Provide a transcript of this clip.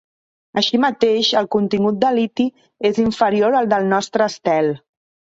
Així mateix, el contingut de liti és inferior al del nostre estel.